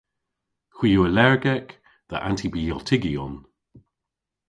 Hwi yw allergek dhe antibiotygyon.